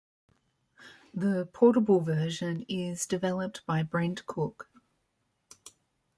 The portable version is developed by Brent Cook.